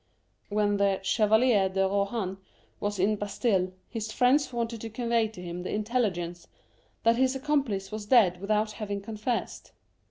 When the Chevalier de Rohan was in the Bastille, his friends wanted to convey to him the intelligence that his accomplice was dead without having con fessed.